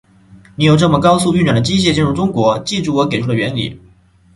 你有这么高速运转的机械进入中国，记住我给出的原理。